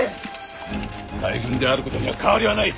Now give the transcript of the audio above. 大軍であることには変わりはない。